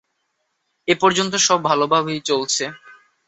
এ পর্যন্ত সব ভালভাবেই চলছে।